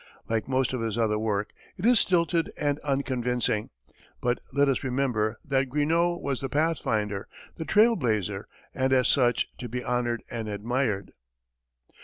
Like most of his other work, it is stilted and unconvincing; but let us remember that Greenough was the pathfinder, the trail blazer, and as such to be honored and admired.